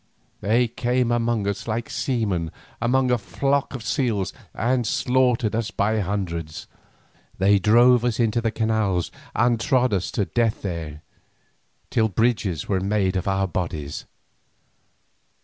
They came among us like seamen among a flock of seals, and slaughtered us by hundreds. They drove us into the canals and trod us to death there, till bridges were made of our bodies.